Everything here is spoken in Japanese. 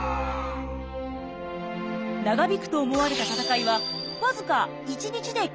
長引くと思われた戦いはわずか１日で決着。